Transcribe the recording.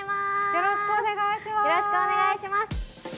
よろしくお願いします。